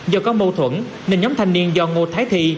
do có mâu thuẫn nên nhóm thanh niên do ngô thái thi